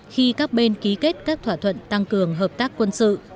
khi các bên ký kết các thỏa thuận tăng cường hợp tác quân sự